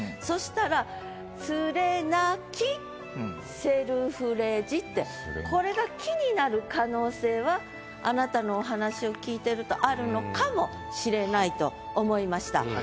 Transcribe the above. そしたらってこれが「き」になる可能性はあなたのお話を聞いてるとあるのかもしれないと思いました。